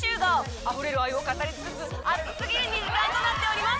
あふれる愛を語り尽くす熱すぎる２時間となっております。